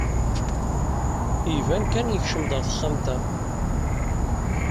Iban kan yekcem-d ɣer texxamt-a.